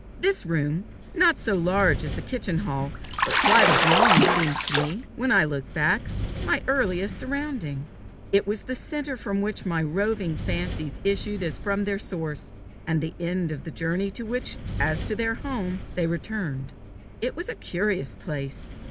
This room, not so large as the kitchen hall, but quite as long, seems to me, when I look back, my earliest surrounding. It was the centre from which my roving fancies issued as from their source, and the end of their journey to which as to their home they returned. It was a curious place.